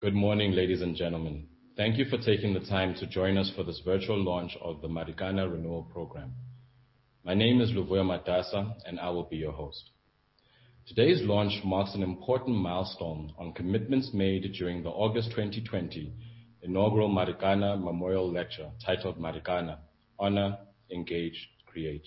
Good morning, ladies and gentlemen. Thank you for taking the time to join us for this virtual launch of the Marikana Renewal Programme. My name is Luvuyo Madasa, and I will be your host. Today's launch marks an important milestone on commitments made during the August 2020 inaugural Marikana Memorial Lecture titled "Marikana: Honor, Engage, Create."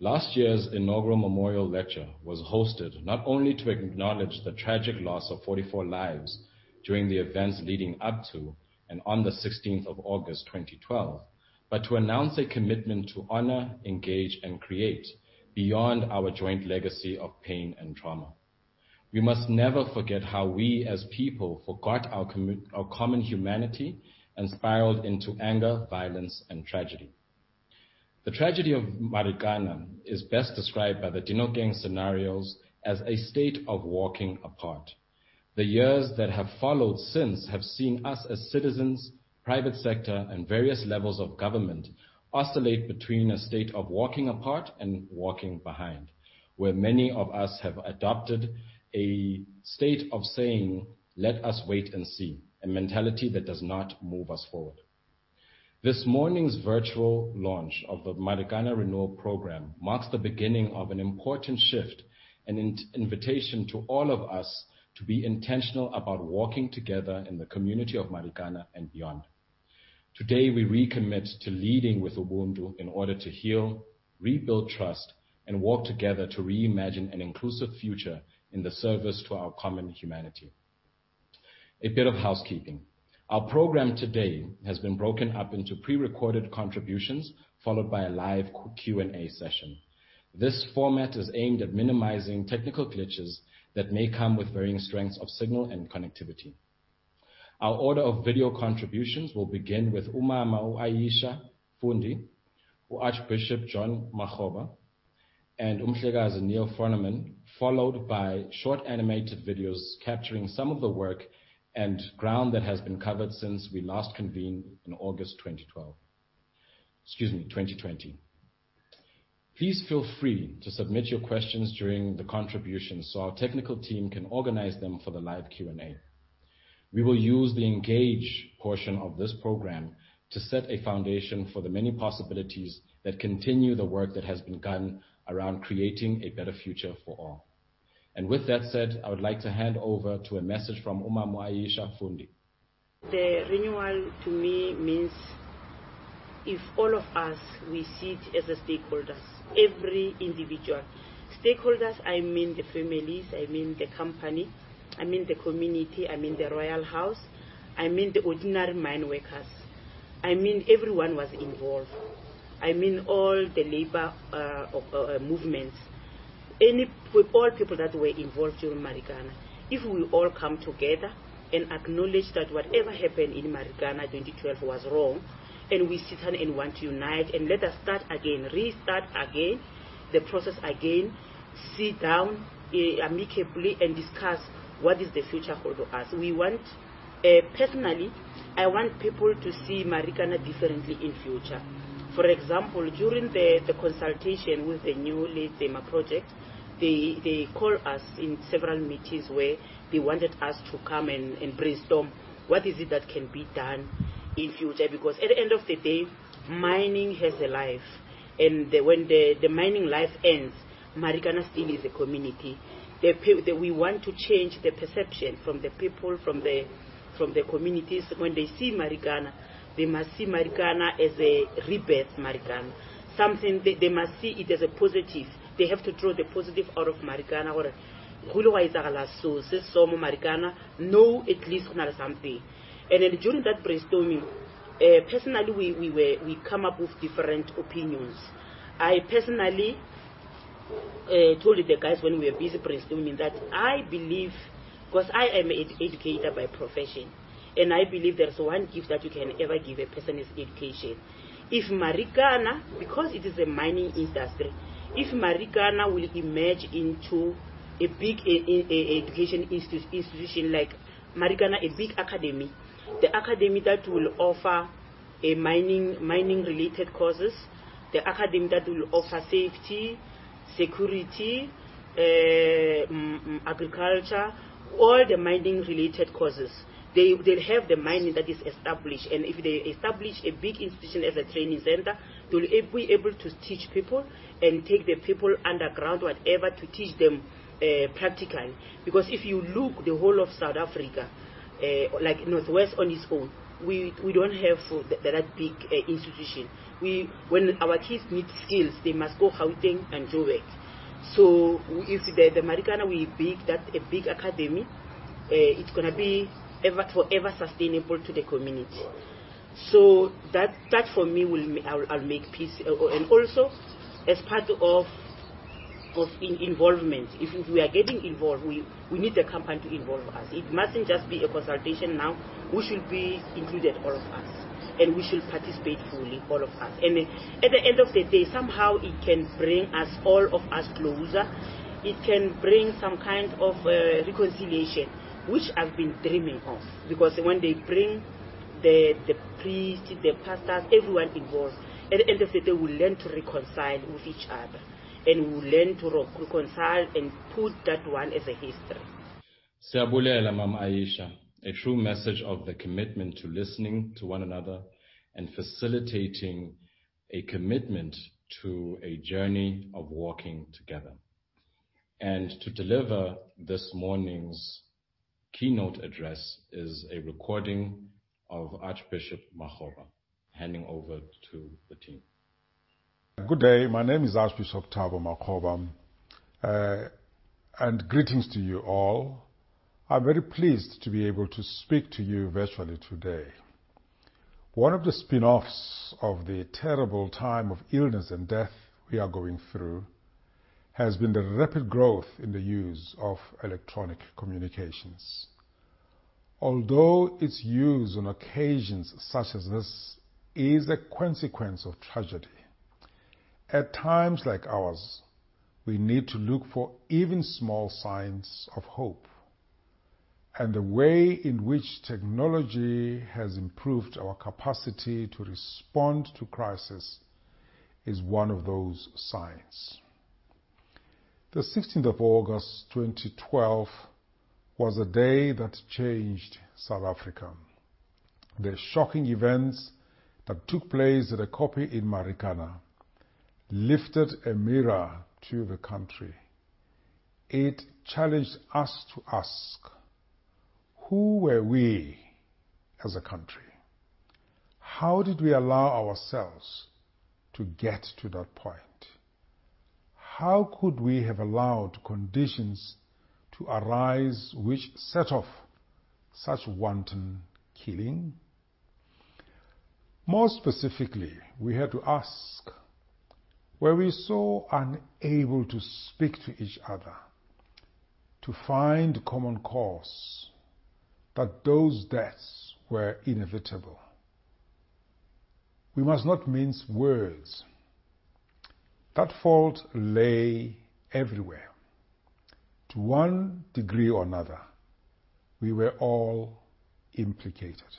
Last year's inaugural memorial lecture was hosted not only to acknowledge the tragic loss of 44 lives during the events leading up to and on the 16th of August 2012, but to announce a commitment to honor, engage, and create beyond our joint legacy of pain and trauma. We must never forget how we as people forgot our common humanity and spiraled into anger, violence, and tragedy. The tragedy of Marikana is best described by the Dinokeng Scenarios as a state of walking apart. The years that have followed since have seen us as citizens, private sector, and various levels of government oscillate between a state of walking apart and walking behind, where many of us have adopted a state of saying, "Let us wait and see," a mentality that does not move us forward. This morning's virtual launch of the Marikana Renewal Programme marks the beginning of an important shift and an invitation to all of us to be intentional about walking together in the community of Marikana and beyond. Today, we recommit to leading with Ubuntu in order to heal, rebuild trust, and work together to reimagine an inclusive future in the service to our common humanity. A bit of housekeeping. Our program today has been broken up into pre-recorded contributions, followed by a live Q&A session. This format is aimed at minimizing technical glitches that may come with varying strengths of signal and connectivity. Our order of video contributions will begin with Umama Aisha Fundi, Archbishop Thabo Makgoba, and Umhlekazi Neal Froneman, followed by short animated videos capturing some of the work and ground that has been covered since we last convened in August 2020. Please feel free to submit your questions during the contributions so our technical team can organize them for the live Q&A. We will use the engage portion of this program to set a foundation for the many possibilities that continue the work that has been done around creating a better future for all. With that said, I would like to hand over to a message from Umama Aisha Fundi. The renewal to me means if all of us, we sit as stakeholders, every individual. Stakeholders, I mean the families, I mean the company, I mean the community, I mean the royal house, I mean the ordinary mineworkers. I mean everyone who was involved. I mean all the labor movements, and all people that were involved during Marikana. If we all come together and acknowledge that whatever happened in Marikana 2012 was wrong, and we sit down and want to unite and let us start again, restart again the process again, sit down amicably and discuss what does the future hold for us. Personally, I want people to see Marikana differently in future. For example, during the consultation with the new Letsema project, they call us in several meetings where they wanted us to come and brainstorm what is it that can be done in future, because at the end of the day, mining has a life. When the mining life ends, Marikana still is a community. We want to change the perception from the people, from the communities. When they see Marikana, they must see Marikana as a rebirth Marikana. They must see it as a positive. They have to draw the positive out of Marikana. Marikana know at least something. During that brainstorming, personally, we come up with different opinions. I personally told the guys when we were busy brainstorming that I believe, because I am an educator by profession, and I believe there's one gift that you can ever give a person is education. If Marikana, because it is a mining industry, if Marikana will emerge into a big education institution like Marikana, a big academy. The academy that will offer mining-related courses, the academy that will offer safety, security, agriculture, all the mining related courses. If they establish a big institution as a training center, they'll be able to teach people and take the people underground, whatever, to teach them practically. If you look the whole of South Africa, like North West on its own, we don't have that big institution. When our kids need skills, they must go Gauteng and Joburg. If the Marikana will be a big academy, it's going to be forever sustainable to the community. That for me will make peace. Also as part of involvement, if we are getting involved, we need the company to involve us. It mustn't just be a consultation now. We should be included, all of us, and we should participate fully, all of us. At the end of the day, somehow it can bring all of us closer. It can bring some kind of reconciliation, which I've been dreaming of. When they bring the priests, the pastors, everyone involved. At the end of it, they will learn to reconcile with each other, and will learn to reconcile and put that one as a history. A true message of the commitment to listening to one another and facilitating a commitment to a journey of walking together. To deliver this morning's keynote address is a recording of Archbishop Makgoba. Handing over to the team. Good day. My name is Archbishop Thabo Makgoba, greetings to you all. I'm very pleased to be able to speak to you virtually today. One of the spinoffs of the terrible time of illness and death we are going through has been the rapid growth in the use of electronic communications. Although its use on occasions such as this is a consequence of tragedy. At times like ours, we need to look for even small signs of hope, and the way in which technology has improved our capacity to respond to crisis is one of those signs. The 16th of August 2012 was a day that changed South Africa. The shocking events that took place at a Koppie in Marikana lifted a mirror to the country. It challenged us to ask, who were we as a country? How did we allow ourselves to get to that point? How could we have allowed conditions to arise which set off such wanton killing? Specifically, we had to ask, were we so unable to speak to each other, to find common cause, that those deaths were inevitable? We must not mince words. That fault lay everywhere. To one degree or another, we were all implicated.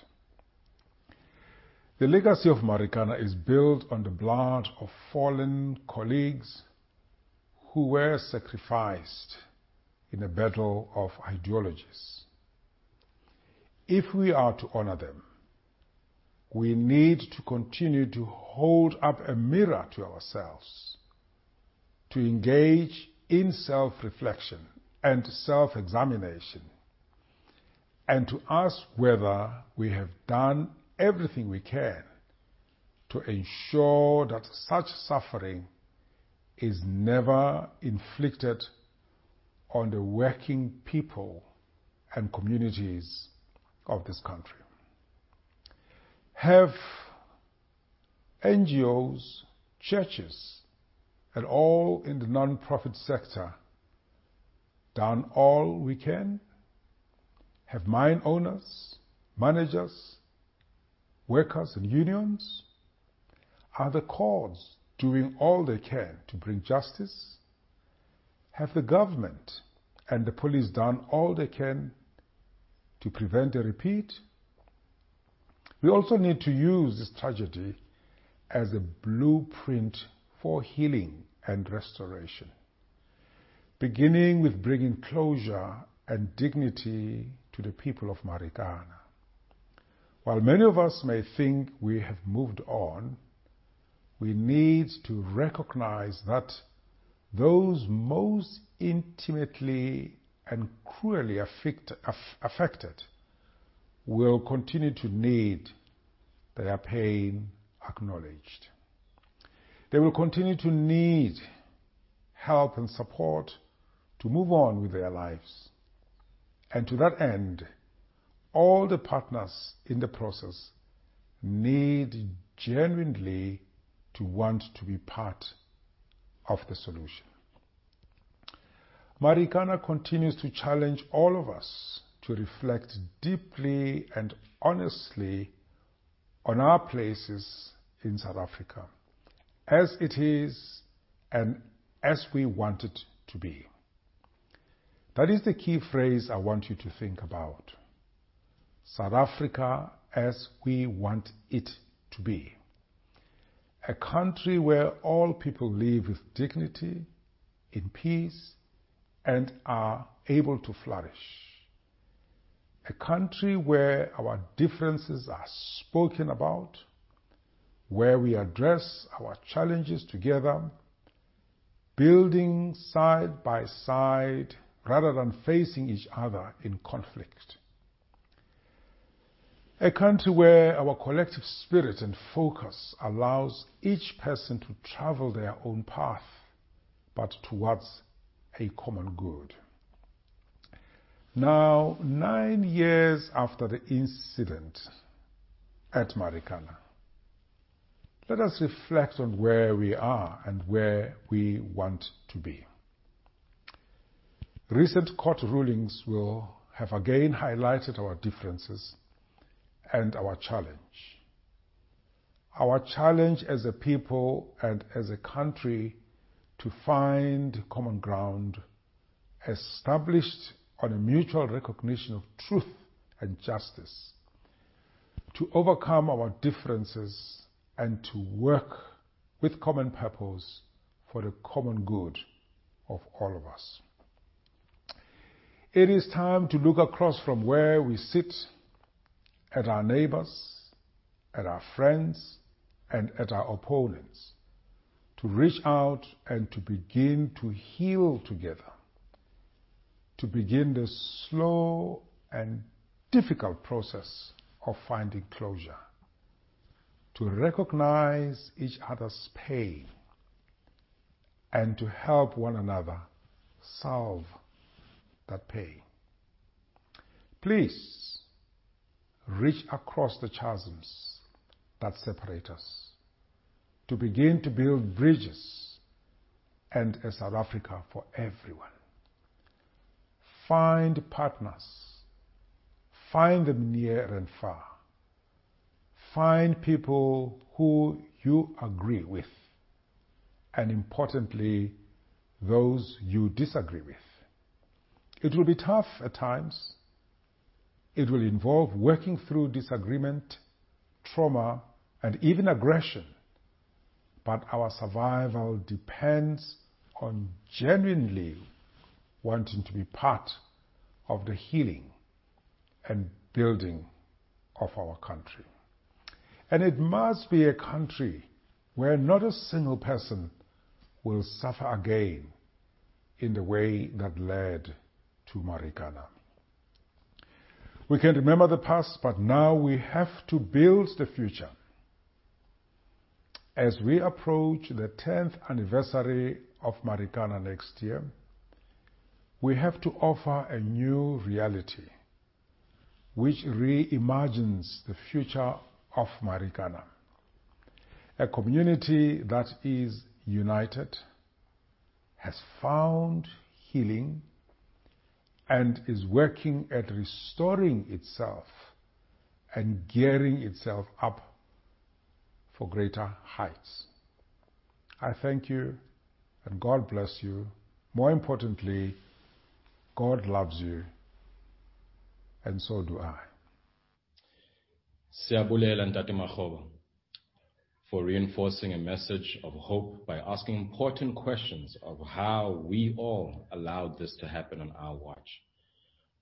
The legacy of Marikana is built on the blood of fallen colleagues who were sacrificed in a battle of ideologies. If we are to honor them, we need to continue to hold up a mirror to ourselves, to engage in self-reflection and self-examination, and to ask whether we have done everything we can to ensure that such suffering is never inflicted on the working people and communities of this country. Have NGOs, churches, and all in the nonprofit sector done all we can? Have mine owners, managers, workers, and unions? Are the courts doing all they can to bring justice? Have the government and the police done all they can to prevent a repeat? We also need to use this tragedy as a blueprint for healing and restoration, beginning with bringing closure and dignity to the people of Marikana. While many of us may think we have moved on, we need to recognize that those most intimately and cruelly affected will continue to need their pain acknowledged. They will continue to need help and support to move on with their lives. To that end, all the partners in the process need genuinely to want to be part of the solution. Marikana continues to challenge all of us to reflect deeply and honestly on our places in South Africa as it is and as we want it to be. That is the key phrase I want you to think about. South Africa as we want it to be. A country where all people live with dignity, in peace, and are able to flourish. A country where our differences are spoken about, where we address our challenges together, building side by side rather than facing each other in conflict. A country where our collective spirit and focus allows each person to travel their own path, but towards a common good. Now, nine years after the incident at Marikana, let us reflect on where we are and where we want to be. Recent court rulings will have again highlighted our differences and our challenges. Our challenge as a people and as a country to find common ground established on a mutual recognition of truth and justice, to overcome our differences and to work with common purpose for the common good of all of us. It is time to look across from where we sit at our neighbors, at our friends, and at our opponents, to reach out and to begin to heal together. To begin the slow and difficult process of finding closure. To recognize each other's pain and to help one another solve that pain. Please reach across the chasms that separate us to begin to build bridges and a South Africa for everyone. Find partners. Find them near and far. Find people who you agree with, and importantly, those you disagree with. It will be tough at times. It will involve working through disagreement, trauma, and even aggression, but our survival depends on genuinely wanting to be part of the healing and building of our country. It must be a country where not a single person will suffer again in the way that led to Marikana. We can remember the past, but now we have to build the future. As we approach the 10th anniversary of Marikana next year, we have to offer a new reality, which reimagines the future of Marikana. A community that is united, has found healing, and is working at restoring itself and gearing itself up for greater heights. I thank you, and God bless you. More importantly, God loves you, and so do I. Thank you Makgoba for reinforcing a message of hope by asking important questions of how we all allowed this to happen on our watch.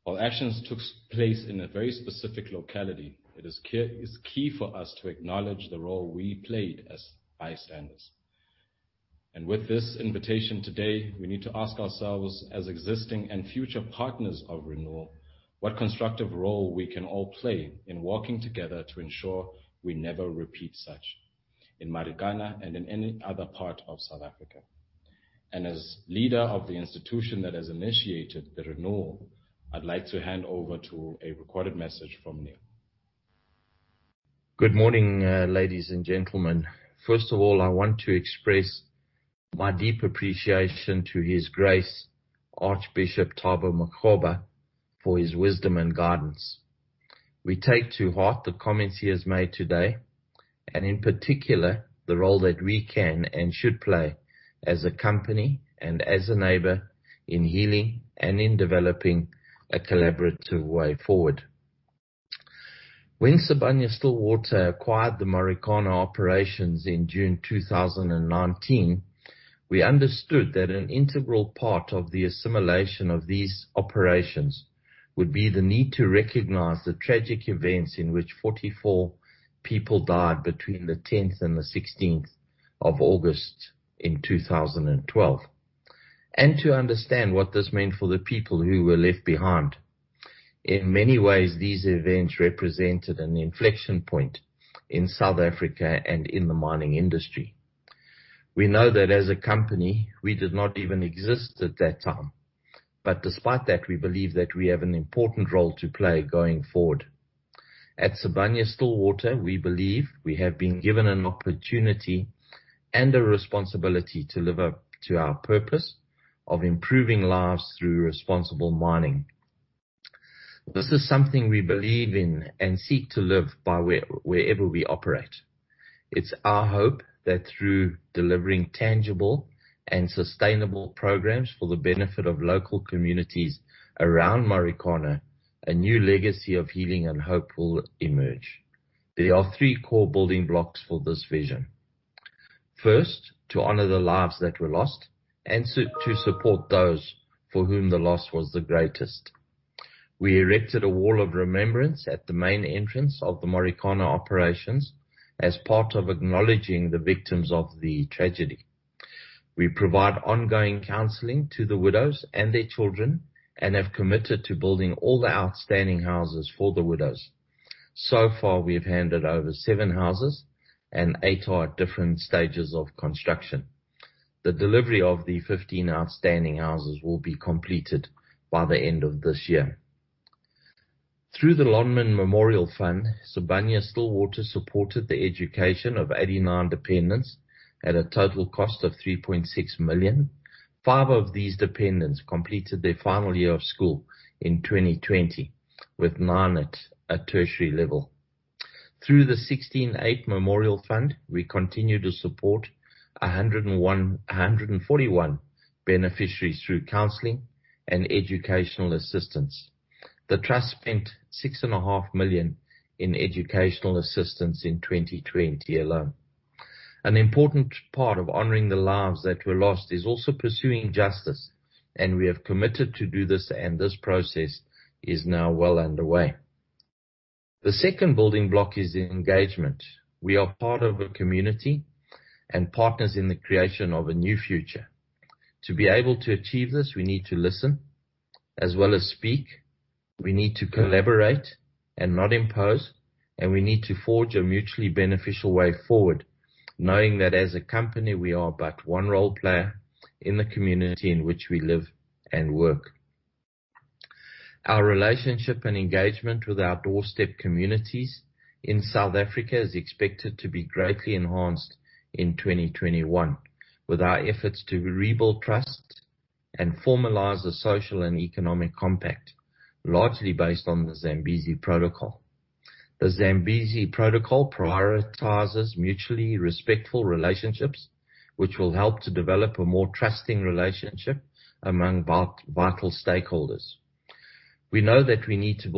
While actions took place in a very specific locality, it is key for us to acknowledge the role we played as bystanders. With this invitation today, we need to ask ourselves as existing and future partners of renewal, what constructive role we can all play in working together to ensure we never repeat such, in Marikana and in any other part of South Africa. As leader of the institution that has initiated the Renewal, I'd like to hand over to a recorded message from Neal. Good morning, ladies and gentlemen. First of all, I want to express my deep appreciation to His Grace, Archbishop Thabo Makgoba, for his wisdom and guidance. We take to heart the comments he has made today, and in particular, the role that we can and should play as a company and as a neighbor in healing and in developing a collaborative way forward. When Sibanye-Stillwater acquired the Marikana operations in June 2019, we understood that an integral part of the assimilation of these operations would be the need to recognize the tragic events in which 44 people died between the 10th and the 16th of August in 2012, and to understand what this meant for the people who were left behind. In many ways, these events represented an inflection point in South Africa and in the mining industry. We know that as a company, we did not even exist at that time. Despite that, we believe that we have an important role to play going forward. At Sibanye-Stillwater, we believe we have been given an opportunity and a responsibility to live up to our purpose of improving lives through responsible mining. This is something we believe in and seek to live by wherever we operate. It's our hope that through delivering tangible and sustainable programs for the benefit of local communities around Marikana, a new legacy of healing and hope will emerge. There are three core building blocks for this vision. First, to honor the lives that were lost and to support those for whom the loss was the greatest. We erected a Wall of Remembrance at the main entrance of the Marikana operations as part of acknowledging the victims of the tragedy. We provide ongoing counseling to the widows and their children and have committed to building all the outstanding houses for the widows. So far, we have handed over seven houses, and eight are at different stages of construction. The delivery of the 15 outstanding houses will be completed by the end of this year. Through the Lonmin Memorial Fund, Sibanye-Stillwater supported the education of 89 dependents at a total cost of 3.6 million. Five of these dependents completed their final year of school in 2020, with nine at tertiary level. Through the 16/8 Memorial Fund, we continue to support 141 beneficiaries through counseling and educational assistance. The trust spent 6.5 million in educational assistance in 2020 alone. An important part of honoring the lives that were lost is also pursuing justice, and we have committed to do this, and this process is now well underway. The second building block is engagement. We are part of a community and partners in the creation of a new future. To be able to achieve this, we need to listen as well as speak. We need to collaborate and not impose, and we need to forge a mutually beneficial way forward, knowing that as a company, we are but one role player in the community in which we live and work. Our relationship and engagement with our doorstep communities in South Africa is expected to be greatly enhanced in 2021, with our efforts to rebuild trust and formalize the social and economic compact, largely based on the Zambezi Protocol. The Zambezi Protocol prioritizes mutually respectful relationships, which will help to develop a more trusting relationship among vital stakeholders. We know that we need to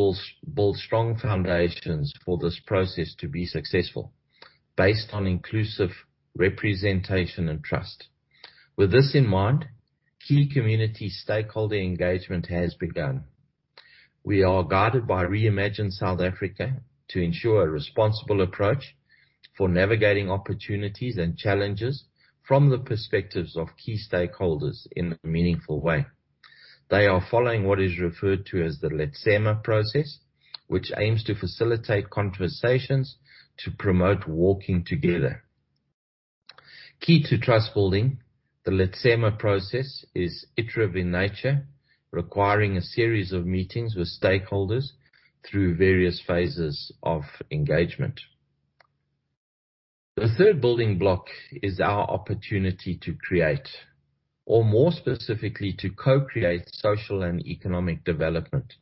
build strong foundations for this process to be successful based on inclusive representation and trust. With this in mind, key community stakeholder engagement has begun. We are guided by ReimagineSA to ensure a responsible approach for navigating opportunities and challenges from the perspectives of key stakeholders in a meaningful way. They are following what is referred to as the Letsema process, which aims to facilitate conversations to promote walking together. Key to trust-building, the Letsema process is iterative in nature, requiring a series of meetings with stakeholders through various phases of engagement. The third building block is our opportunity to create, or more specifically, to co-create social and economic development.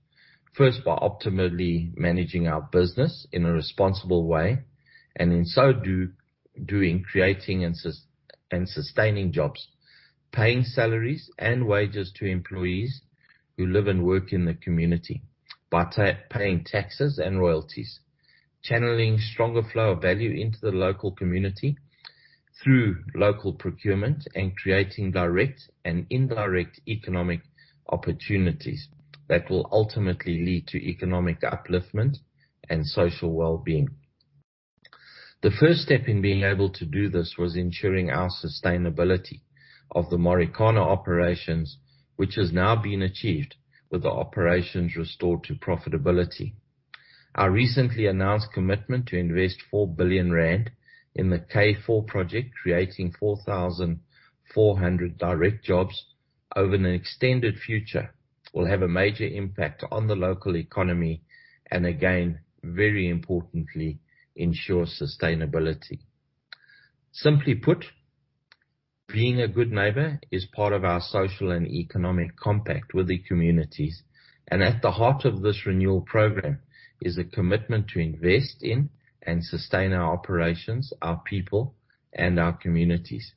First, by optimally managing our business in a responsible way, in so doing, creating and sustaining jobs, paying salaries and wages to employees who live and work in the community, by paying taxes and royalties, channeling stronger flow of value into the local community through local procurement, creating direct and indirect economic opportunities that will ultimately lead to economic upliftment and social well-being. The first step in being able to do this was ensuring our sustainability of the Marikana operations, which has now been achieved with the operations restored to profitability. Our recently announced commitment to invest 4 billion rand in the K4 project, creating 4,400 direct jobs over an extended future, will have a major impact on the local economy, again, very importantly, ensure sustainability. Simply put, being a good neighbor is part of our social and economic compact with the communities, and at the heart of this Renewal Programme is a commitment to invest in and sustain our operations, our people, and our communities.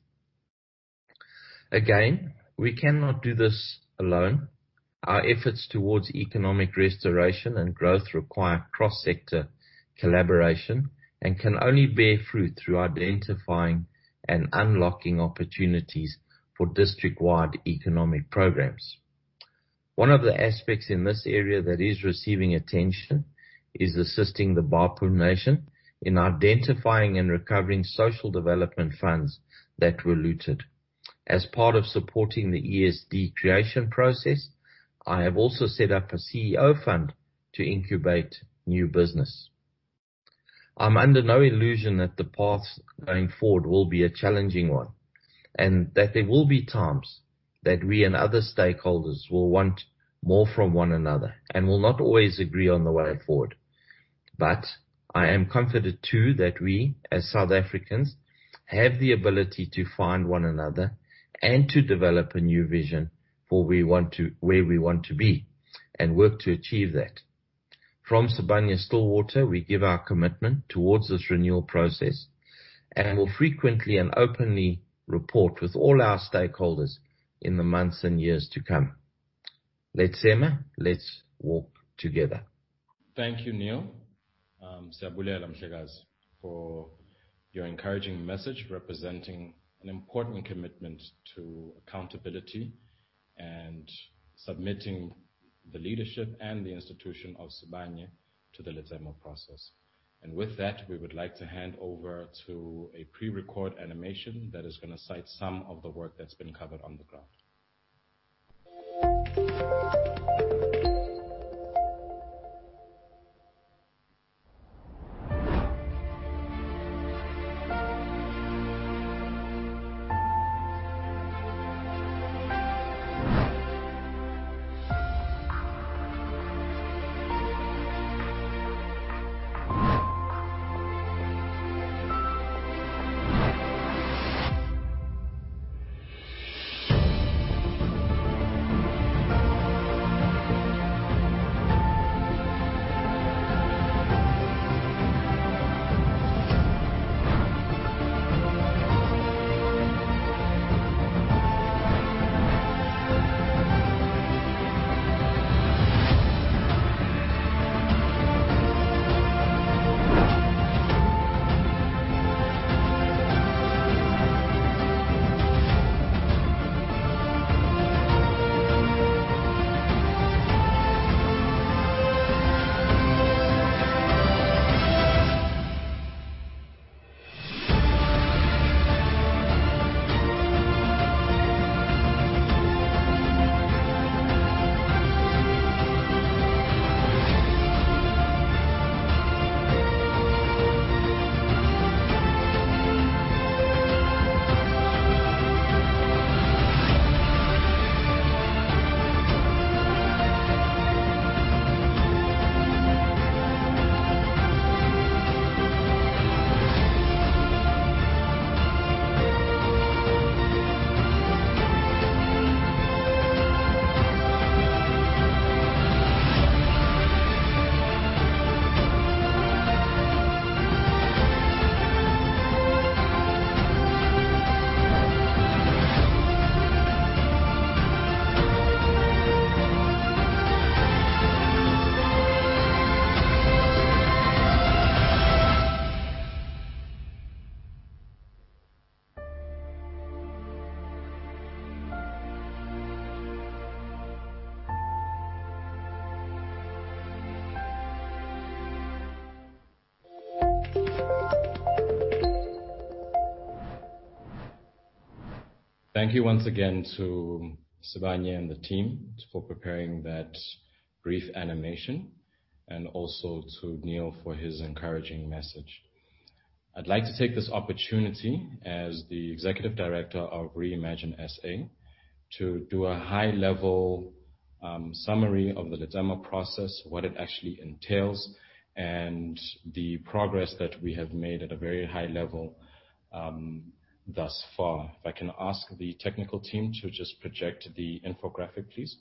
Again, we cannot do this alone. Our efforts towards economic restoration and growth require cross-sector collaboration and can only bear fruit through identifying and unlocking opportunities for district-wide economic programs. One of the aspects in this area that is receiving attention is assisting the Bapo nation in identifying and recovering social development funds that were looted. As part of supporting the ESD creation process, I have also set up a CEO Fund to incubate new business. I'm under no illusion that the path going forward will be a challenging one, that there will be times that we and other stakeholders will want more from one another and will not always agree on the way forward. I am confident, too, that we, as South Africans, have the ability to find one another and to develop a new vision for where we want to be and work to achieve that. From Sibanye-Stillwater, we give our commitment towards this renewal process and will frequently and openly report with all our stakeholders in the months and years to come. Letsema. Let's walk together. Thank you, Neal, for your encouraging message, representing an important commitment to accountability, and submitting the leadership and the institution of Sibanye to the Letsema process. With that, we would like to hand over to a pre-record animation that is going to cite some of the work that has been covered on the ground. Thank you once again to Sibanye and the team for preparing that brief animation, and also to Neal for his encouraging message. I'd like to take this opportunity as the executive director of ReimagineSA to do a high-level summary of the Letsema process, what it actually entails, and the progress that we have made at a very high level thus far. If I can ask the technical team to just project the infographic, please.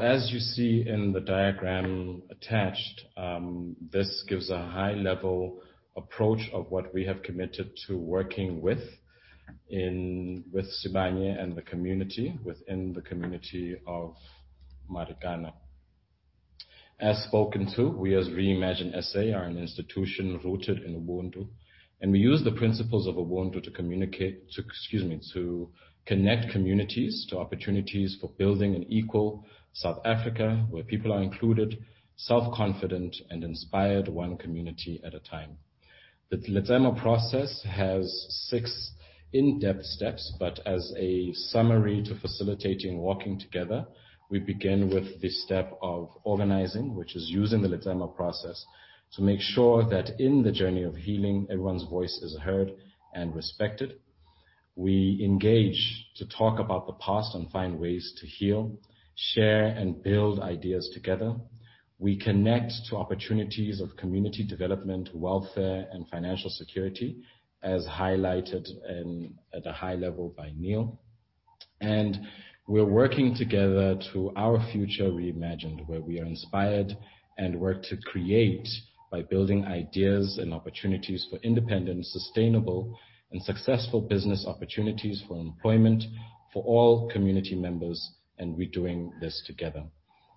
As you see in the diagram attached, this gives a high-level approach of what we have committed to working with Sibanye and the community within the community of Marikana. As spoken to, we, as Reimagine SA, are an institution rooted in Ubuntu, and we use the principles of Ubuntu to connect communities to opportunities for building an equal South Africa where people are included, self-confident and inspired, one community at a time. The Letsema process has six in-depth steps, but as a summary to facilitating working together, we begin with the step of organizing, which is using the Letsema process to make sure that in the journey of healing, everyone's voice is heard and respected. We engage to talk about the past and find ways to heal, share, and build ideas together. We connect to opportunities of community development, welfare, and financial security, as highlighted at a high level by Neal. We're working together to our future reimagined, where we are inspired and work to create by building ideas and opportunities for independent, sustainable, and successful business opportunities for employment for all community members, and we're doing this together.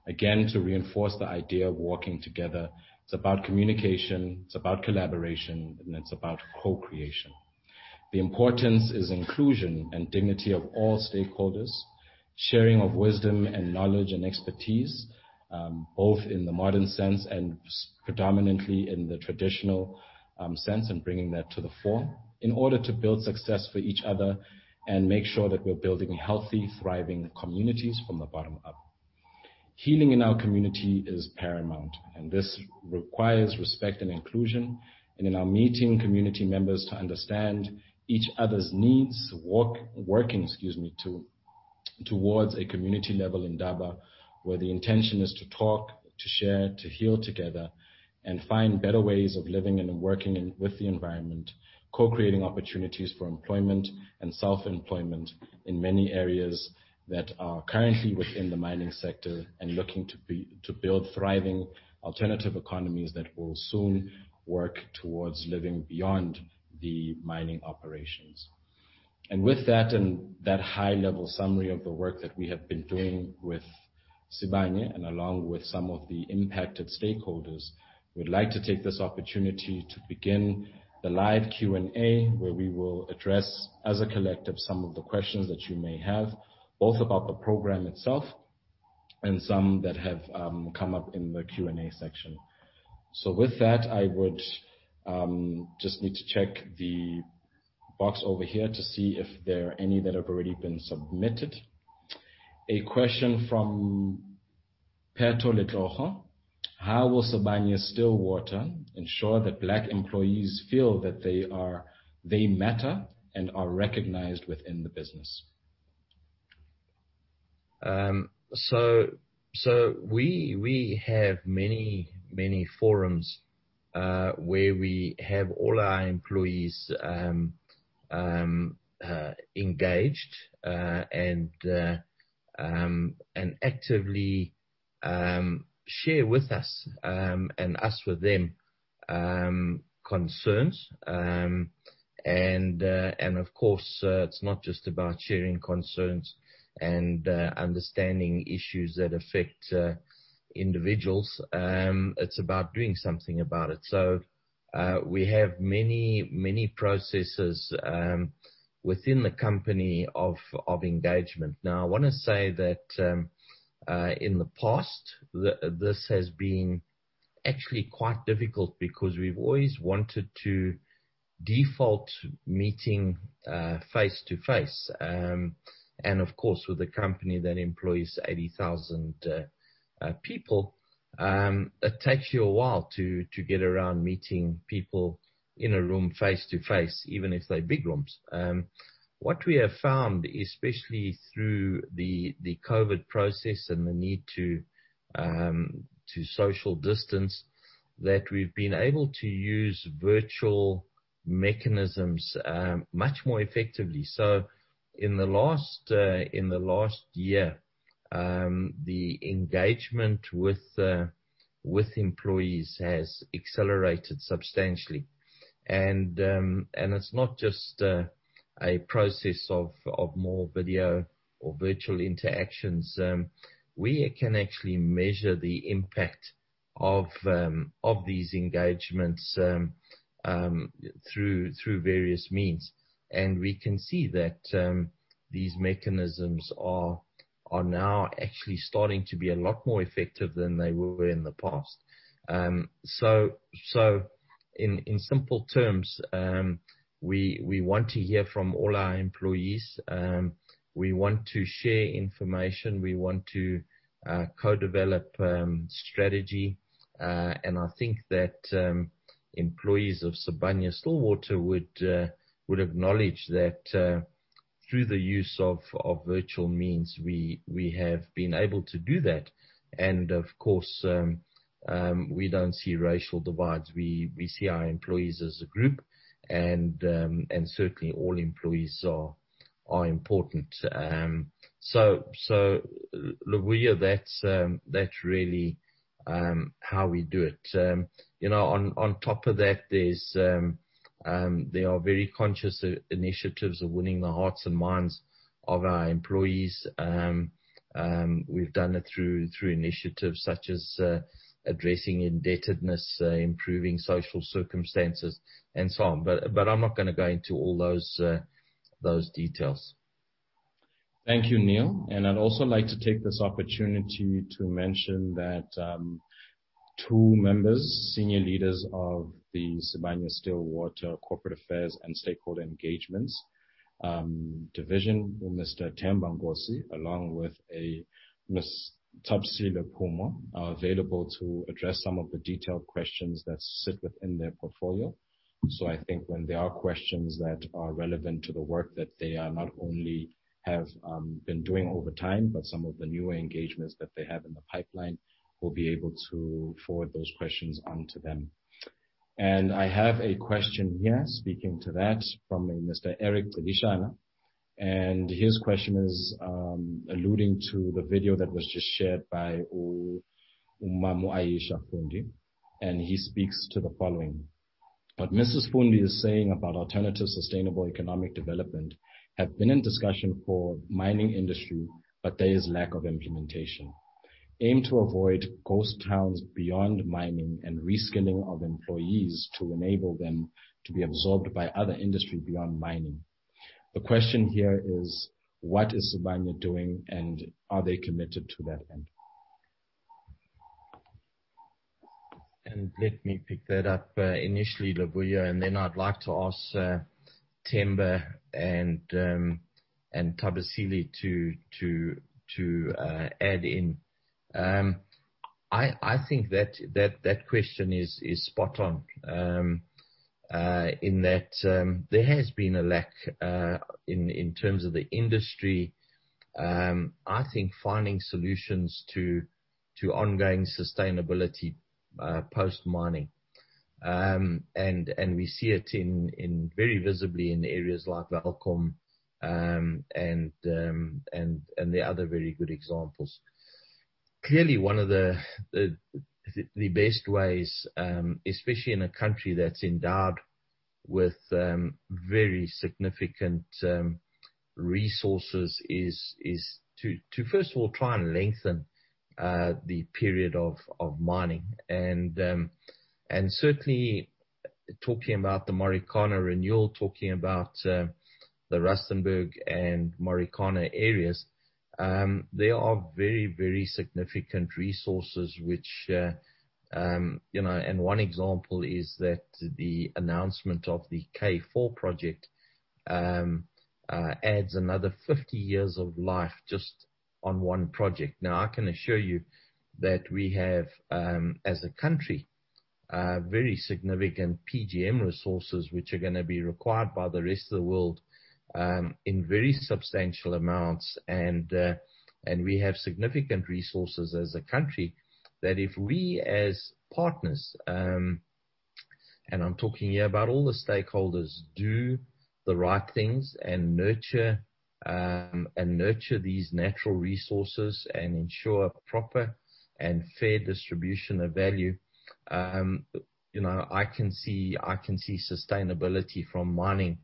Again, to reinforce the idea of working together, it's about communication, it's about collaboration, and it's about co-creation. The importance is inclusion and dignity of all stakeholders, sharing of wisdom and knowledge and expertise, both in the modern sense and predominantly in the traditional sense, and bringing that to the fore in order to build success for each other and make sure that we're building healthy, thriving communities from the bottom up. Healing in our community is paramount, and this requires respect and inclusion, and in our meeting community members to understand each other's needs, working towards a community level indaba, where the intention is to talk, to share, to heal together, and find better ways of living and working with the environment. Co-creating opportunities for employment and self-employment in many areas that are currently within the mining sector and looking to build thriving alternative economies that will soon work towards living beyond the mining operations. With that and that high-level summary of the work that we have been doing with Sibanye and along with some of the impacted stakeholders, we'd like to take this opportunity to begin the live Q&A, where we will address, as a collective, some of the questions that you may have, both about the program itself and some that have come up in the Q&A section. I would just need to check the box over here to see if there are any that have already been submitted. A question from Lerato Matlosa, "How will Sibanye-Stillwater ensure that Black employees feel that they matter and are recognized within the business? We have many forums where we have all our employees engaged and actively share with us, and us with them, concerns. Of course, it's not just about sharing concerns and understanding issues that affect individuals. It's about doing something about it. We have many processes within the company of engagement. Now, I want to say that in the past, this has been actually quite difficult because we've always wanted to default meeting face-to-face. Of course, with a company that employs 80,000 people, it takes you a while to get around meeting people in a room face-to-face, even if they're big rooms. What we have found, especially through the COVID process and the need to social distance, that we've been able to use virtual mechanisms much more effectively. In the last year, the engagement with employees has accelerated substantially. It's not just a process of more video or virtual interactions. We can actually measure the impact of these engagements through various means. We can see that these mechanisms are now actually starting to be a lot more effective than they were in the past. In simple terms, we want to hear from all our employees. We want to share information. We want to co-develop strategy. I think that employees of Sibanye-Stillwater would acknowledge that through the use of virtual means, we have been able to do that. Of course, we don't see racial divides. We see our employees as a group. Certainly, all employees are important. Luvuyo, that's really how we do it. On top of that, there are very conscious initiatives of winning the hearts and minds of our employees. We've done it through initiatives such as addressing indebtedness, improving social circumstances, and so on. I'm not going to go into all those details. Thank you, Neal. I'd also like to take this opportunity to mention that two members, senior leaders of the Sibanye-Stillwater corporate affairs and stakeholder engagements division, Mr. Themba Nkosi, along with a Ms. Thabisile Phumo, are available to address some of the detailed questions that sit within their portfolio. I think when there are questions that are relevant to the work that they not only have been doing over time, but some of the newer engagements that they have in the pipeline, we'll be able to forward those questions on to them. I have a question here speaking to that from a Mr. Eric Tedeshana. His question is alluding to the video that was just shared by Umama Aisha Fundi, and he speaks to the following. What Mrs. Fundi is saying about alternative sustainable economic development have been in discussion for mining industry, but there is lack of implementation. Aim to avoid ghost towns beyond mining and reskilling of employees to enable them to be absorbed by other industry beyond mining. The question here is, what is Sibanye doing, and are they committed to that end? Let me pick that up initially, Luvuyo, then I'd like to ask Themba and Thabisile to add in. I think that question is spot on, in that there has been a lack in terms of the industry, I think finding solutions to ongoing sustainability post-mining. We see it very visibly in areas like Welkom and there are other very good examples. Clearly, one of the best ways, especially in a country that's endowed with very significant resources, is to first of all try and lengthen the period of mining. Certainly, talking about the Marikana Renewal, talking about the Rustenburg and Marikana areas, there are very significant resources. One example is that the announcement of the K4 project adds another 50 years of life just on one project. I can assure you that we have, as a country, very significant PGM resources, which are going to be required by the rest of the world in very substantial amounts. We have significant resources as a country that if we as partners, and I'm talking here about all the stakeholders, do the right things and nurture these natural resources and ensure proper and fair distribution of value. I can see sustainability from mining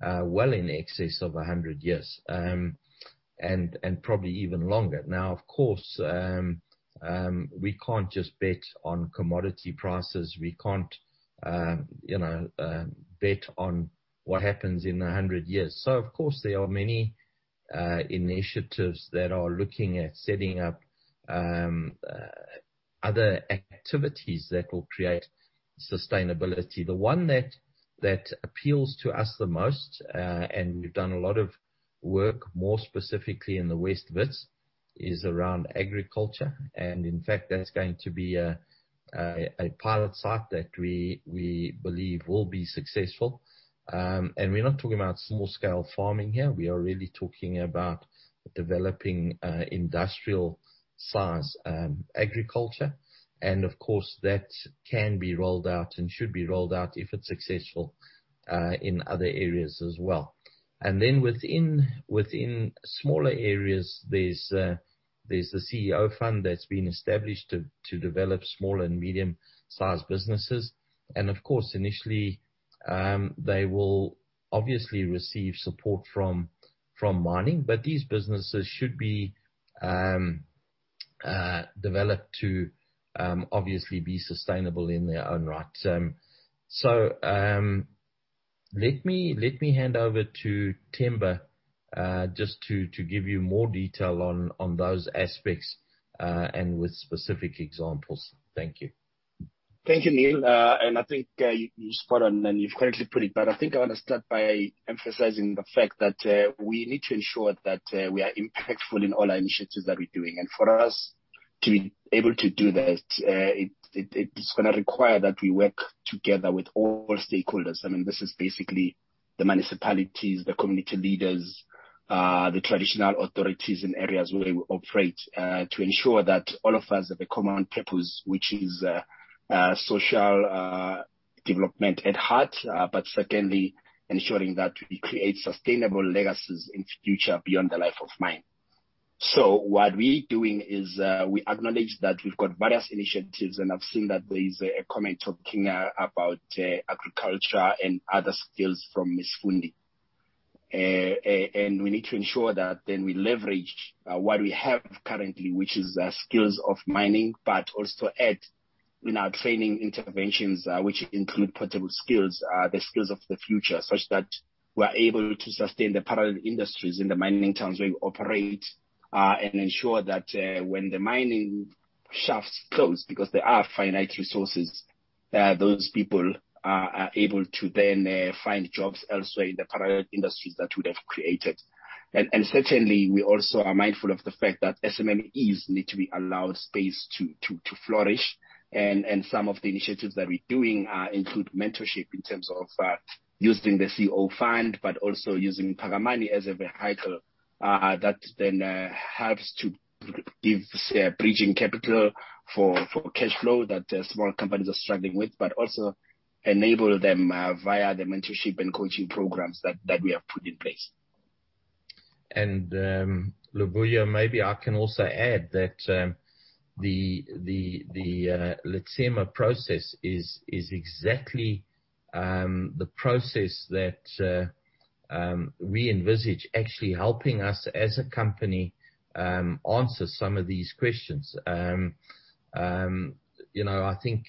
well in excess of 100 years, and probably even longer. Of course, we can't just bet on commodity prices. We can't bet on what happens in 100 years. Of course, there are many initiatives that are looking at setting up other activities that will create sustainability. The one that appeals to us the most, and we've done a lot of work more specifically in the West Wits, is around agriculture. In fact, that's going to be a pilot site that we believe will be successful. We're not talking about small-scale farming here. We are really talking about developing industrial-size agriculture. Of course, that can be rolled out and should be rolled out if it's successful in other areas as well. Then within smaller areas, there's the CEO Fund that's been established to develop small and medium-sized businesses. Of course, initially, they will obviously receive support from mining. These businesses should be developed to obviously be sustainable in their own right. Let me hand over to Themba just to give you more detail on those aspects, and with specific examples. Thank you. Thank you, Neal. I think you've spot on and you've correctly put it. I think I want to start by emphasizing the fact that we need to ensure that we are impactful in all our initiatives that we're doing. For us to be able to do that, it is going to require that we work together with all stakeholders. I mean, this is basically the municipalities, the community leaders, the traditional authorities in areas where we operate, to ensure that all of us have a common purpose, which is social development at heart. Secondly, ensuring that we create sustainable legacies into future beyond the life of mine. What we're doing is, we acknowledge that we've got various initiatives, and I've seen that there's a comment talking about agriculture and other skills from Ms. Fundi. We need to ensure that we leverage what we have currently, which is skills of mining, but also add in our training interventions, which include portable skills, the skills of the future, such that we're able to sustain the parallel industries in the mining towns where we operate, and ensure that when the mining shafts close, because they are finite resources, those people are able to then find jobs elsewhere in the parallel industries that would have created. Certainly, we also are mindful of the fact that SMEs need to be allowed space to flourish. Some of the initiatives that we're doing include mentorship in terms of using the CEO Fund, but also using Thaga Mune as a vehicle that then helps to give bridging capital for cash flow that small companies are struggling with, but also enable them via the mentorship and coaching programs that we have put in place. Luvuyo, maybe I can also add that the Letsema process is exactly the process that we envisage actually helping us as a company answer some of these questions. I think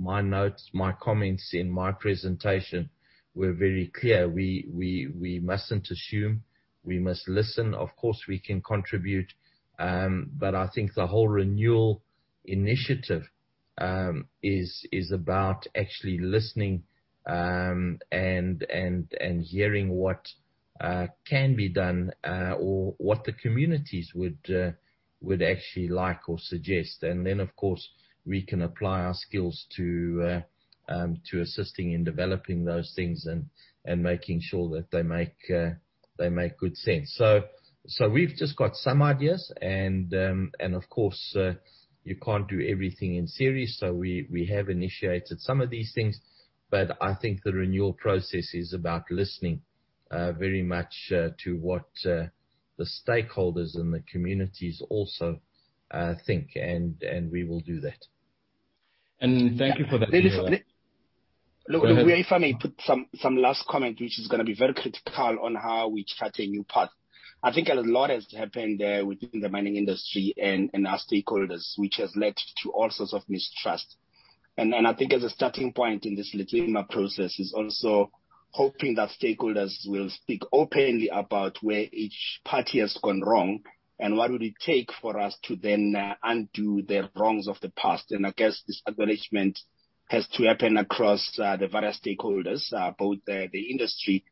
my notes, my comments in my presentation were very clear. We mustn't assume. We must listen. Of course, we can contribute. I think the whole renewal initiative is about actually listening and hearing what can be done or what the communities would actually like or suggest. Of course, we can apply our skills to assisting in developing those things and making sure that they make good sense. We've just got some ideas and of course, you can't do everything in series, we have initiated some of these things. I think the renewal process is about listening very much to what the stakeholders and the communities also think, and we will do that. Thank you for that, Neal. Luvuyo, if I may put some last comment, which is going to be very critical on how we chart a new path. I think a lot has happened within the mining industry and our stakeholders, which has led to all sorts of mistrust. I think as a starting point in this Letsema process is also hoping that stakeholders will speak openly about where each party has gone wrong, and what would it take for us to then undo the wrongs of the past. I guess this acknowledgment has to happen across the various stakeholders, both the industry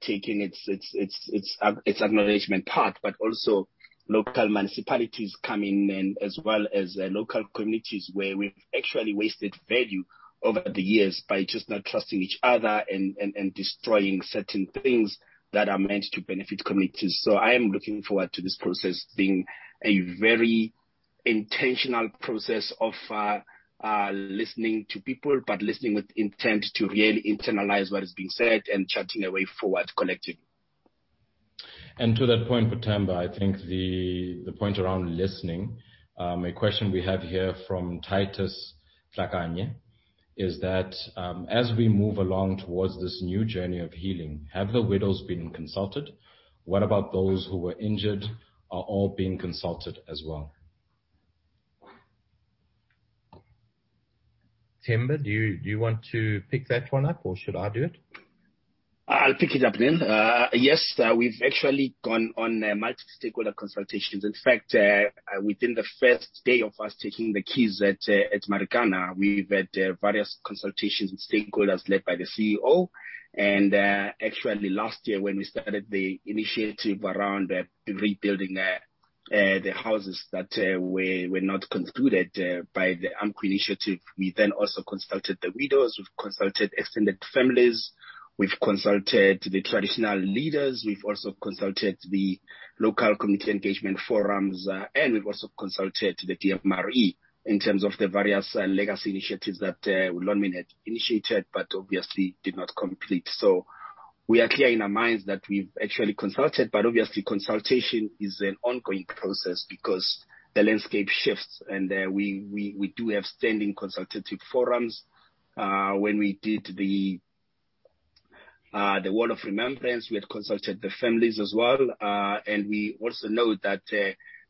taking its acknowledgment part, but also local municipalities coming in as well as local communities where we've actually wasted value over the years by just not trusting each other and destroying certain things that are meant to benefit communities. I am looking forward to this process being a very intentional process of listening to people, but listening with intent to really internalize what is being said and charting a way forward collectively. To that point, Themba, I think the point around listening, a question we have here from Titus Plakane is that, as we move along towards this new journey of healing, have the widows been consulted? What about those who were injured, are all being consulted as well? Themba, do you want to pick that one up, or should I do it? I'll pick it up then. Yes, we've actually gone on multi-stakeholder consultations. In fact, within the first day of us taking the keys at Marikana, we've had various consultations with stakeholders led by the CEO. Actually last year when we started the initiative around rebuilding the houses that were not concluded by the AMCU initiative, we then also consulted the widows. We've consulted extended families. We've consulted the traditional leaders. We've also consulted the local community engagement forums. We've also consulted the DMRE in terms of the various legacy initiatives that Lonmin had initiated, but obviously did not complete. We are clear in our minds that we've actually consulted, but obviously consultation is an ongoing process because the landscape shifts, and we do have standing consultative forums. When we did the Wall of Remembrance, we had consulted the families as well. We also know that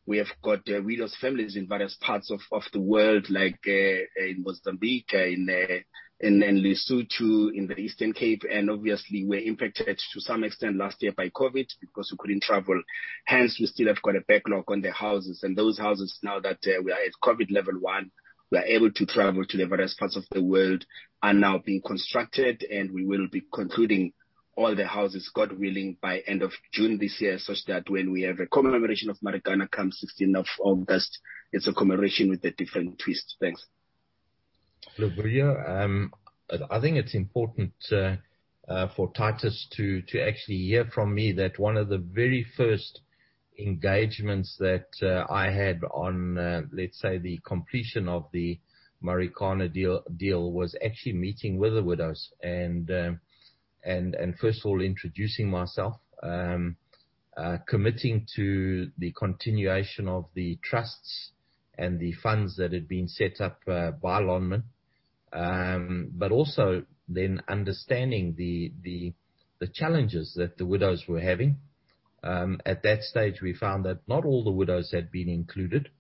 we have got widows' families in various parts of the world, like in Mozambique, in Lesotho, in the Eastern Cape, and obviously were impacted to some extent last year by COVID because we couldn't travel. Hence, we still have got a backlog on the houses. Those houses, now that we are at COVID level 1, we are able to travel to the various parts of the world, are now being constructed, and we will be concluding all the houses, God willing, by end of June this year, such that when we have a commemoration of Marikana come 16th of August, it's a commemoration with a different twist. Thanks. Luvuyo, I think it's important for Titus to actually hear from me that one of the very first engagements that I had on, let's say, the completion of the Marikana deal was actually meeting with the widows. First of all, introducing myself, committing to the continuation of the trusts and the funds that had been set up by Lonmin. Also understanding the challenges that the widows were having. At that stage, we found that not all the widows had been included.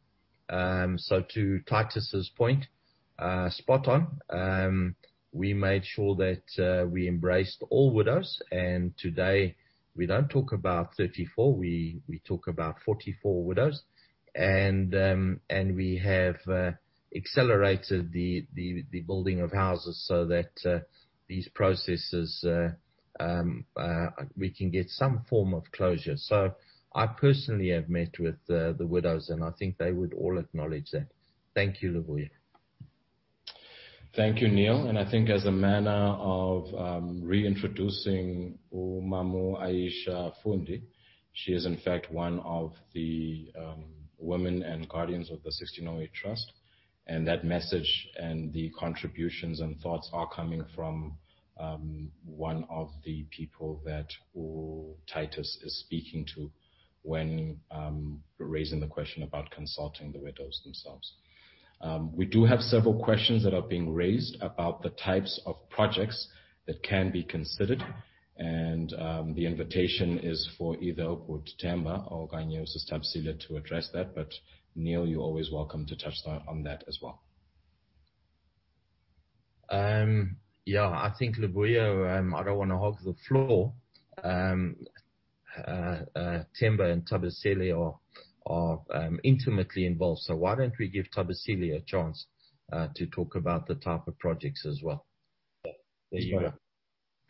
To Titus's point, spot on. We made sure that we embraced all widows, and today we don't talk about 34, we talk about 44 widows. We have accelerated the building of houses so that these processes, we can get some form of closure. I personally have met with the widows, and I think they would all acknowledge that. Thank you, Luvuyo. Thank you, Neal. I think as a manner of reintroducing Omama Aisha Fundi, she is in fact one of the women and guardians of the 1608 Trust. That message and the contributions and thoughts are coming from one of the people that Titus is speaking to when raising the question about consulting the widows themselves. We do have several questions that are being raised about the types of projects that can be considered, and the invitation is for either Themba or Thabisile to address that. Neal, you're always welcome to touch on that as well. I think, Luvuyo, I don't want to hog the floor. Themba and Thabisile are intimately involved. Why don't we give Thabisile a chance to talk about the type of projects as well? There you go.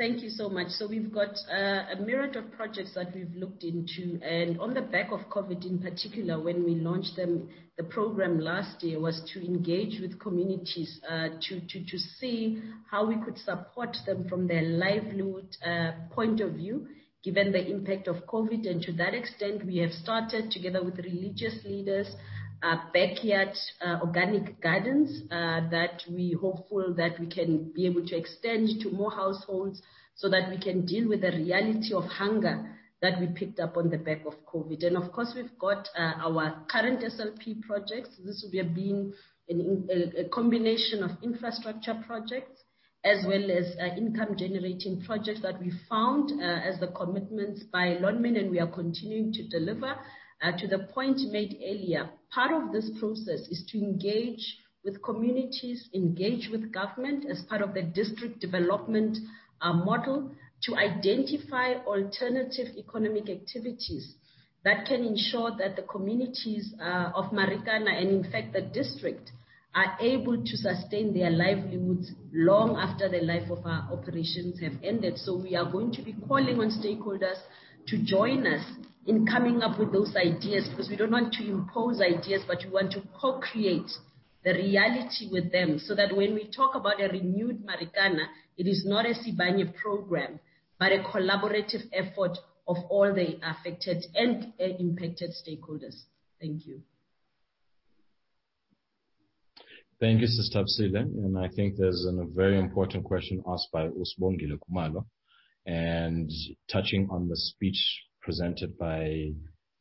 Thank you so much. We've got a myriad of projects that we've looked into. On the back of COVID, in particular, when we launched the program last year, was to engage with communities, to see how we could support them from their livelihood point of view, given the impact of COVID. To that extent, we have started, together with religious leaders, backyard organic gardens, that we're hopeful that we can be able to extend to more households so that we can deal with the reality of hunger that we picked up on the back of COVID. Of course, we've got our current SLP projects. These will be a combination of infrastructure projects as well as income-generating projects that we found as the commitments by Lonmin, and we are continuing to deliver. To the point made earlier, part of this process is to engage with communities, engage with government as part of the District Development Model to identify alternative economic activities that can ensure that the communities of Marikana, and in fact, the district, are able to sustain their livelihoods long after the life of our operations have ended. We are going to be calling on stakeholders to join us in coming up with those ideas, because we don't want to impose ideas, but we want to co-create the reality with them, so that when we talk about a renewed Marikana, it is not a Sibanye program, but a collaborative effort of all the affected and impacted stakeholders. Thank you. Thank you, Sister Thabisile. I think there's a very important question asked by Sibongile Khumalo, touching on the speech presented by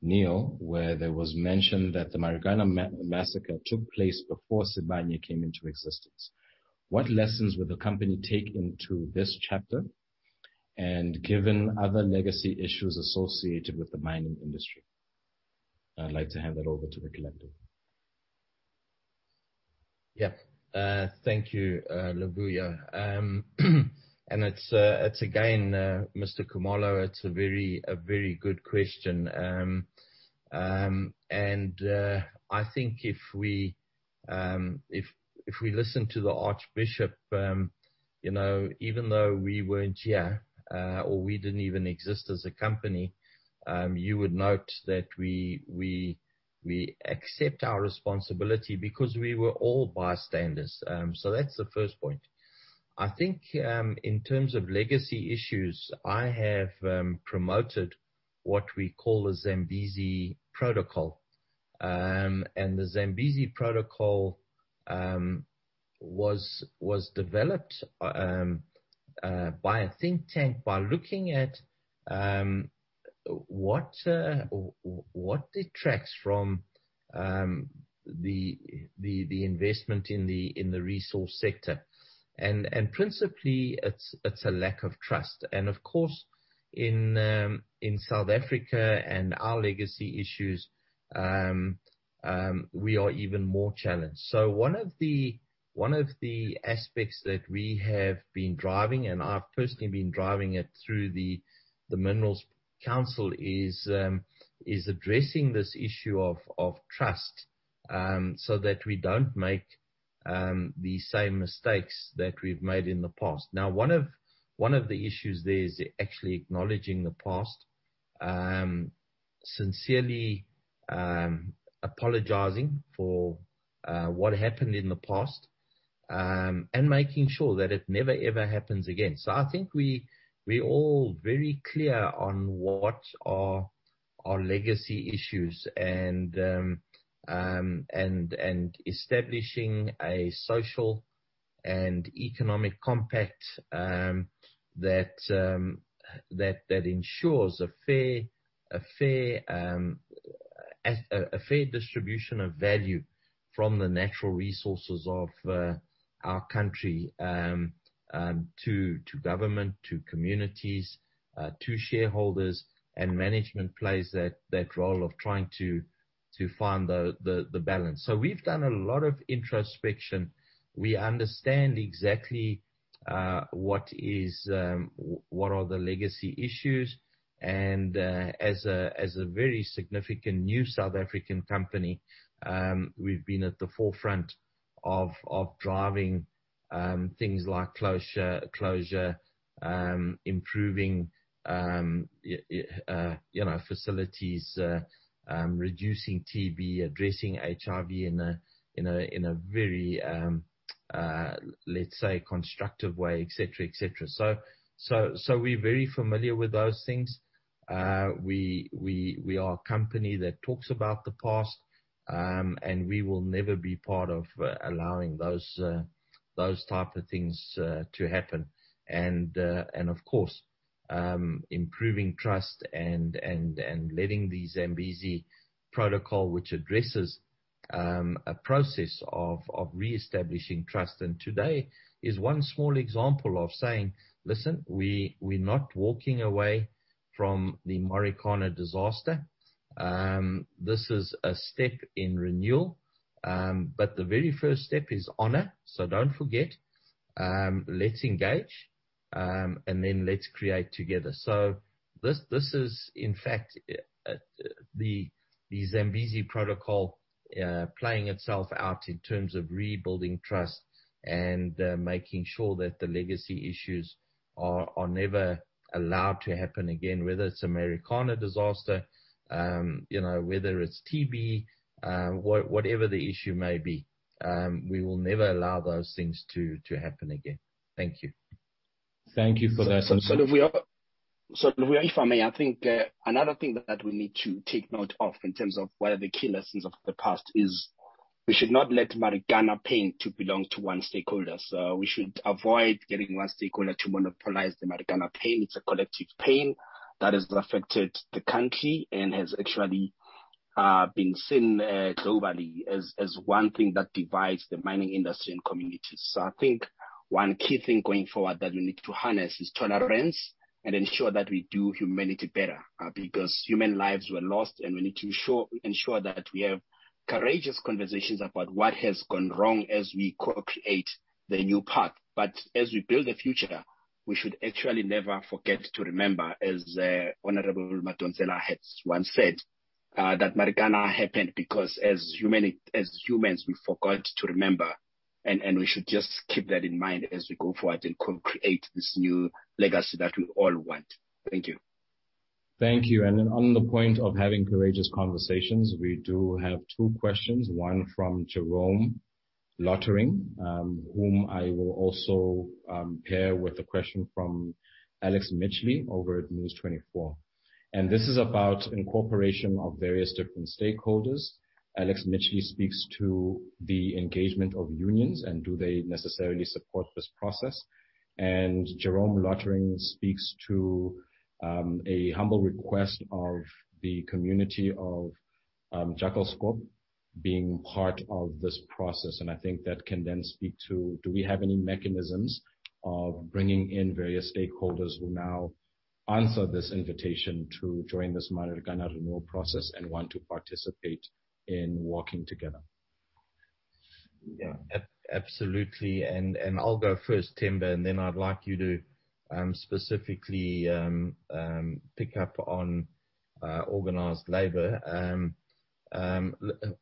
Neal, where there was mention that the Marikana massacre took place before Sibanye came into existence. What lessons will the company take into this chapter, and given other legacy issues associated with the mining industry? I'd like to hand that over to the collective. Thank you, Luvuyo. Again, Mr. Khumalo, it's a very good question. I think if we listen to the Archbishop, even though we weren't here, or we didn't even exist as a company, you would note that we accept our responsibility because we were all bystanders. That's the first point. I think, in terms of legacy issues, I have promoted what we call the Zambezi Protocol. The Zambezi Protocol was developed by a think tank by looking at what detracts from the investment in the resource sector. Principally, it's a lack of trust. Of course, in South Africa and our legacy issues, we are even more challenged. One of the aspects that we have been driving, and I've personally been driving it through the Minerals Council, is addressing this issue of trust, so that we don't make the same mistakes that we've made in the past. Now, one of the issues there is actually acknowledging the past, sincerely apologizing for what happened in the past, and making sure that it never, ever happens again. I think we're all very clear on what are our legacy issues and establishing a social and economic compact that ensures a fair distribution of value from the natural resources of our country to government, to communities, to shareholders. Management plays that role of trying to find the balance. We've done a lot of introspection. We understand exactly what are the legacy issues. As a very significant new South African company, we've been at the forefront of driving things like closure, improving facilities, reducing TB, addressing HIV in a very, let's say, constructive way, et cetera. We're very familiar with those things. We are a company that talks about the past, we will never be part of allowing those type of things to happen. Of course, improving trust and letting the Zambezi Protocol, which addresses a process of reestablishing trust. Today is one small example of saying, "Listen, we're not walking away from the Marikana disaster." This is a step in renewal. The very first step is honor, Don't forget. Let's engage, and then let's create together." This is, in fact, the Zambezi Protocol playing itself out in terms of rebuilding trust and making sure that the legacy issues are never allowed to happen again, whether it's a Marikana disaster, whether it's TB, whatever the issue may be. We will never allow those things to happen again. Thank you. Thank you for that. Luvuyo, if I may, I think another thing that we need to take note of in terms of what are the key lessons of the past is we should not let Marikana pain to belong to one stakeholder. We should avoid getting one stakeholder to monopolize the Marikana pain. It's a collective pain that has affected the country and has actually been seen globally as one thing that divides the mining industry and communities. I think one key thing going forward that we need to harness is tolerance and ensure that we do humanity better, because human lives were lost, and we need to ensure that we have courageous conversations about what has gone wrong as we co-create the new path. As we build the future, we should actually never forget to remember, as Honorable Madonsela has once said, that Marikana happened because as humans, we forgot to remember, and we should just keep that in mind as we go forward and co-create this new legacy that we all want. Thank you. Thank you. On the point of having courageous conversations, we do have two questions, one from Jerome Lottering, whom I will also pair with a question from Alex Mitchley over at News24. This is about incorporation of various different stakeholders. Alex Mitchley speaks to the engagement of unions. Do they necessarily support this process? Jerome Lottering speaks to a humble request of the community of Jakkalskop being part of this process, and I think that can then speak to. Do we have any mechanisms of bringing in various stakeholders who now answer this invitation to join this Marikana Renewal process and want to participate in working together? Yeah. Absolutely. I'll go first, Themba, and then I'd like you to specifically pick up on organized labor.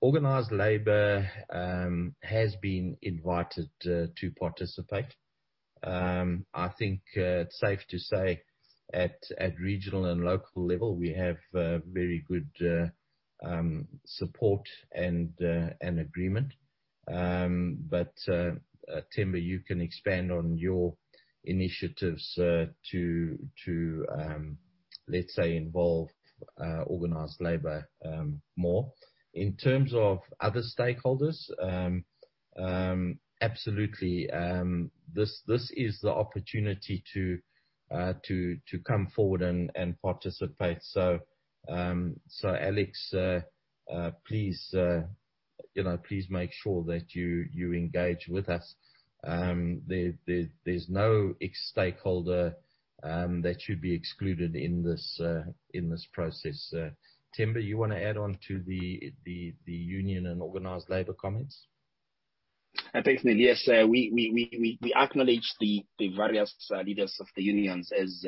Organized labor has been invited to participate. I think it's safe to say at regional and local level, we have very good support and agreement. Themba, you can expand on your initiatives to, let's say, involve organized labor more. In terms of other stakeholders, absolutely, this is the opportunity to come forward and participate. Alex, please make sure that you engage with us. There's no ex-stakeholder that should be excluded in this process. Themba, you want to add on to the union and organized labor comments? Thanks, Neal. Yes. We acknowledge the various leaders of the unions as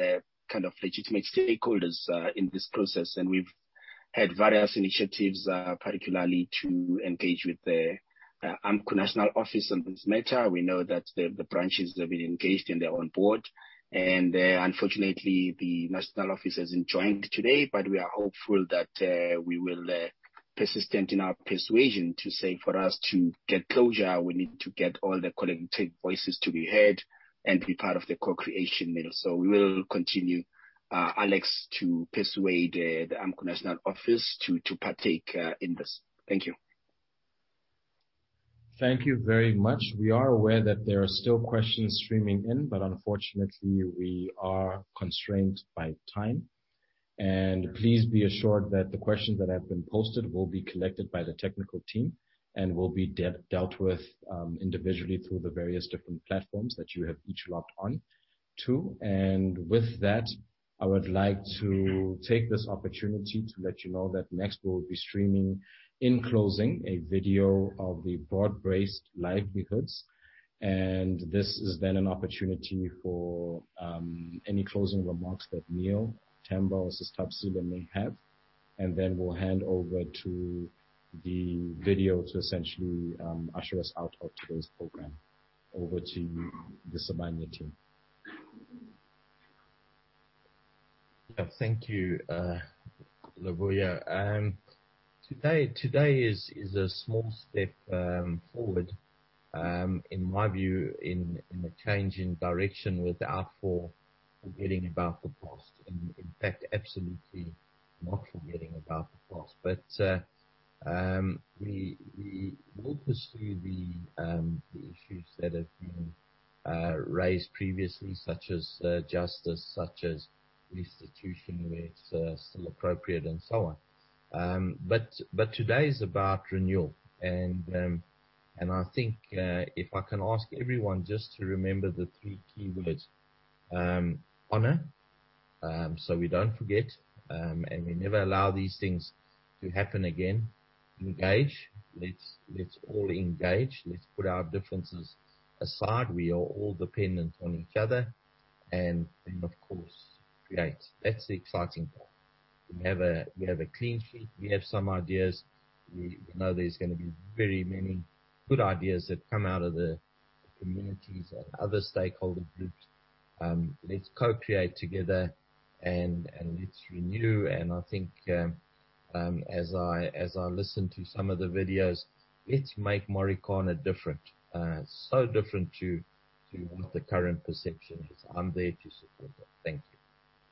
legitimate stakeholders in this process, and we've had various initiatives, particularly to engage with the AMCU national office on this matter. We know that the branches have been engaged, and they're on board. Unfortunately, the national office hasn't joined today, but we are hopeful that we will persistent in our persuasion to say, for us to get closure, we need to get all the collective voices to be heard and be part of the co-creation milieu. We will continue, Alex, to persuade the AMCU national office to partake in this. Thank you. Thank you very much. We are aware that there are still questions streaming in, but unfortunately, we are constrained by time. Please be assured that the questions that have been posted will be collected by the technical team and will be dealt with individually through the various different platforms that you have each logged on to. With that, I would like to take this opportunity to let you know that next we'll be streaming in closing a video of the Broad-Based Livelihoods. This is then an opportunity for any closing remarks that Neal, Themba, or sis Thabisile may have. Then we'll hand over to the video to essentially usher us out of today's program. Over to you, the Sibanye team. Yeah. Thank you, Luvuyo. Today is a small step forward, in my view, in the change in direction without forgetting about the past. In fact, absolutely not forgetting about the past. We will pursue the issues that have been raised previously, such as justice, such as restitution where it's still appropriate, and so on. Today is about renewal, and I think if I can ask everyone just to remember the three key words. Honor, so we don't forget, and we never allow these things to happen again. Engage. Let's all engage. Let's put our differences aside. We are all dependent on each other. Of course, create. That's the exciting part. We have a clean sheet. We have some ideas. We know there's going to be very many good ideas that come out of the communities and other stakeholder groups. Let's co-create together, and let's renew. I think as I listen to some of the videos, let's make Marikana different. Different to what the current perception is. I'm there to support that. Thank you